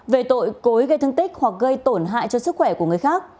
về tội cối gây thương tích hoặc gây tổn hại cho sức khỏe của người khác